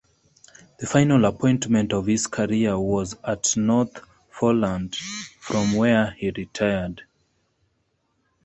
The final appointment of his career was at North Foreland, from where he retired.